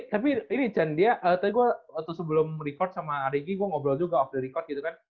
tapi ini chan dia tapi gue waktu sebelum record sama riggie gue ngobrol juga off the record gitu kan